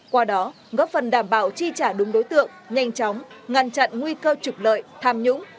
qua đó góp phần đảm bảo chi trả đúng đối tượng nhanh chóng ngăn chặn nguy cơ trục lợi tham nhũng